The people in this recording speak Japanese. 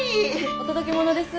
お届け物です。